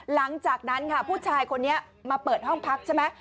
หลังจากนั้นค่ะผู้ชายคนนี้มาเปิดห้องพักใช่ไหม